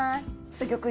すギョく